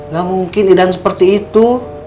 gak mungkin idan seperti itu